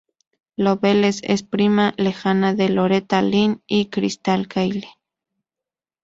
Loveless es prima lejana de Loretta Lynn y Crystal Gayle.